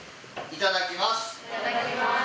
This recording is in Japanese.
いただきます。